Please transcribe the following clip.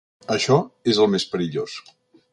Això és el més perillós.